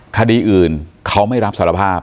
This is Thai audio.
คดีอื่นเขาไม่รับสารภาพ